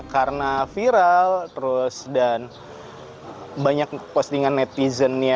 karena viral terus dan banyak postingan netizennya